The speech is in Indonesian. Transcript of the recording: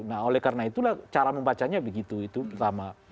nah oleh karena itulah cara membacanya begitu itu pertama